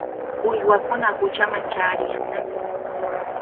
Uywakuna quchaman chaariyannami.